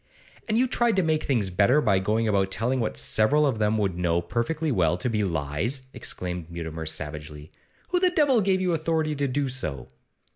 'And you tried to make things better by going about telling what several of them would know perfectly well to be lies?' exclaimed Mutimer, savagely. 'Who the devil gave you authority to do so?